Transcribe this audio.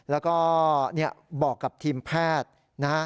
แล้วก็บอกกับทีมแพทย์นะฮะ